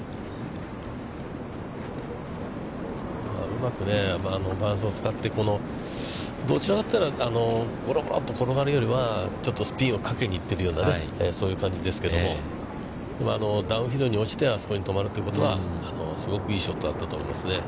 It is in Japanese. うまく伴走を使って、どちらかといったら、ゴロゴロっと転がるよりは、ちょっとスピンをかけに行ってるようなそういう感じですけども、ダウンヒルに落ちて、あそこに止まるということは、すごくいいショットだったと思いますね。